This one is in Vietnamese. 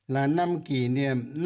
là năm kỷ niệm